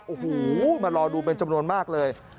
โอ้โหมารอดูเป็นจำนวนมากเลย